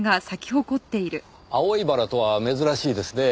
青いバラとは珍しいですねぇ。